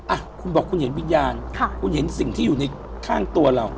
อ่ะคุณบอกคุณเห็นวิญญาณค่ะคุณเห็นสิ่งที่อยู่ในข้างตัวเรา